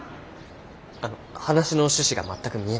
あの話の趣旨が全く見えないんですが。